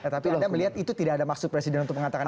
tapi anda melihat itu tidak ada maksud presiden untuk mengatakan